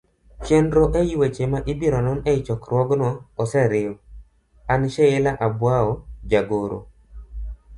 chenro e wi weche ma ibiro non e chokruogno oseriw. an, Sheila Abwao jagoro